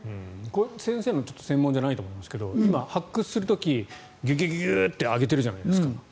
先生の専門じゃないと思うんですけど今、発掘する時ギュッとあげているじゃないですか。